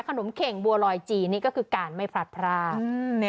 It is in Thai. ขนมเข่งบัวลอยจีนนี่ก็คือการไม่พลัดพราก